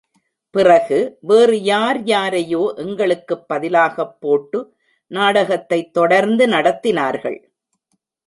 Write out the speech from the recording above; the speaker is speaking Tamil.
பிறகு வேறு யார் யாரையோ எங்களுக்குப் பதிலாக போட்டு நாடகத்தை தொடர்ந்து நடத்தினார்கள்.